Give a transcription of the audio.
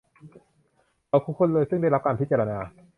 เขาคือคนรวยซึ่งได้รับการพิจารณา